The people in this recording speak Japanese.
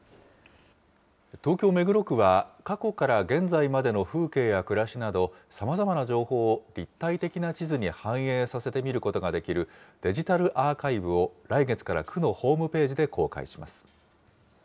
東京・目黒区は、過去から現在までの風景や暮らしなど、さまざまな情報を立体的な地図に反映させて見ることができるデジタルアーカイブを、来月から区のホームページで公開します。